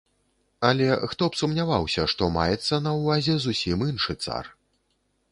Але, хто б сумняваўся, што маецца на ўвазе зусім іншы цар.